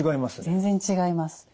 全然違います。